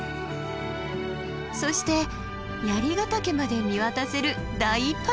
そして槍ヶ岳まで見渡せる大パノラマ！